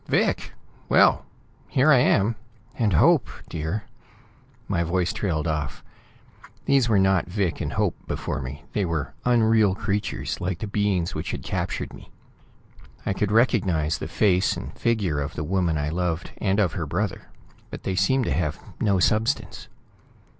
"Vic! Well, here I am. And Hope, dear...." My voice trailed off. These were not Vic and Hope before me; they were unreal creatures, like the beings which had captured me. I could recognize the face and the figure of the woman I loved and of her brother; but they seemed to have no substance.